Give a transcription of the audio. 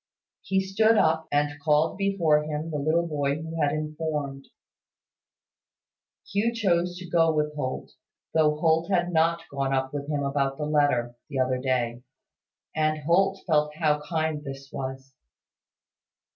He stood up, and called before him the little boy who had informed. Hugh chose to go with Holt, though Holt had not gone up with him about the letter, the other day; and Holt felt how kind this was.